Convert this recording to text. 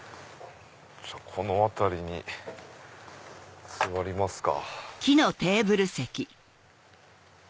この辺りに座りますか。